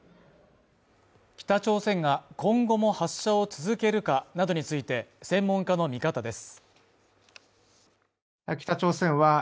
北朝鮮が今後も発射を続けるかなどについて専門家の見方です。